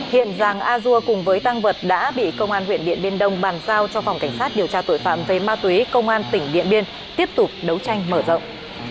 hiện giàng a dua cùng với tăng vật đã bị công an huyện điện biên đông bàn giao cho phòng cảnh sát điều tra tội phạm về ma túy công an tỉnh điện biên tiếp tục đấu tranh mở rộng